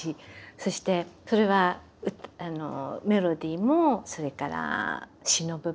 そしてそれはメロディーもそれから詞の部分も。